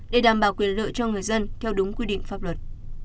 để đảm bảo quyền lợi cho người dân theo đúng quy định pháp luật